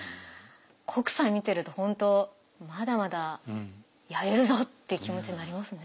北斎見てると本当まだまだやれるぞって気持ちになりますね。